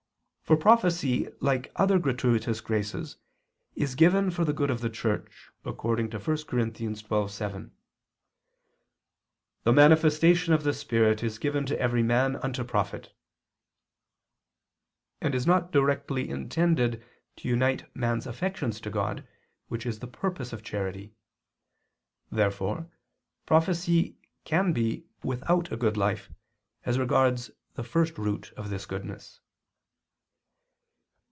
For prophecy like other gratuitous graces is given for the good of the Church, according to 1 Cor. 12:7, "The manifestation of the Spirit is given to every man unto profit"; and is not directly intended to unite man's affections to God, which is the purpose of charity. Therefore prophecy can be without a good life, as regards the first root of this goodness.